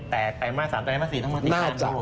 แต่ไตรมาส๓และไตรมาส๔น่าจะ